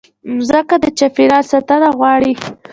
مځکه د چاپېریال ساتنه غواړي.